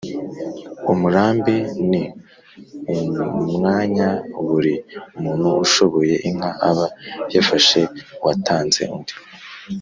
umurambi ni umwanya buri muntu ushoye inka aba yafashe uwatanze undi